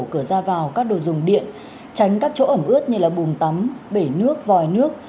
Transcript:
cửa ra vào các đồ dùng điện tránh các chỗ ẩm ướt như bùm tắm bể nước vòi nước